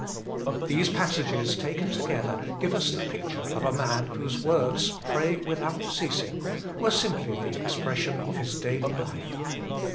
These passages taken together give us the picture of a man whose words, " Pray without ceasing," were simply the expression of his daily life.